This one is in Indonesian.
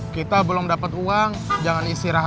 kita belum dapet uang jangan iseng iseng aja